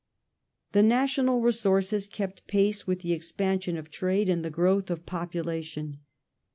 The national resources kept pace with the expansion of trade Revenue and the growth of population.